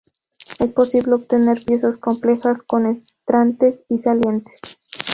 Es posible obtener piezas complejas con entrantes y salientes.